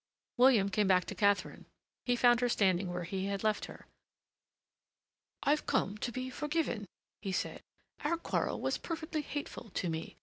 William came back to Katharine; he found her standing where he had left her. "I've come to be forgiven," he said. "Our quarrel was perfectly hateful to me.